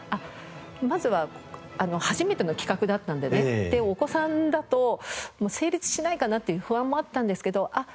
まずは初めての企画だったんでねでお子さんだと成立しないかなっていう不安もあったんですけどあっ